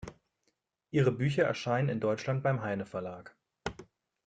Ihre Bücher erscheinen in Deutschland beim Heyne Verlag.